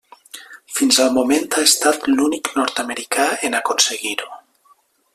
Fins al moment ha estat l'únic nord-americà en aconseguir-ho.